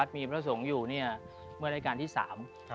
วัดสุทัศน์นี้จริงแล้วอยู่มากี่ปีตั้งแต่สมัยราชการไหนหรือยังไงครับ